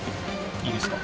いいですか？